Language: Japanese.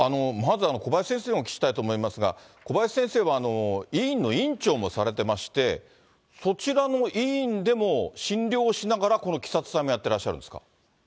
まず、小林先生にお聞きしたいと思いますが、小林先生は医院の院長もされてまして、そちらの医院でも診療しながら、このキサ２体もやってらっしゃるんですか。